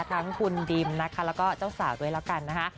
ทั้งคุณดิมนะคะแล้วก็เจ้าสาวด้วยแล้วกันนะคะ